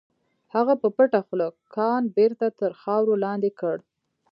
هغه په پټه خوله کان بېرته تر خاورو لاندې کړ.